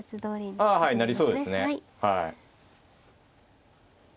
ああはいなりそうですね。